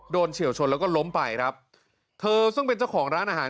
เฉียวชนแล้วก็ล้มไปครับเธอซึ่งเป็นเจ้าของร้านอาหาร